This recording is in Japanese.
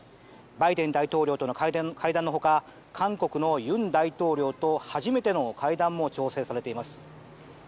バイデン大統領との会談のほか韓国の尹大統領と初めての会談も調整されています。